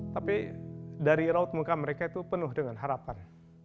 tapi dari raut muka mereka itu penuh dengan harapan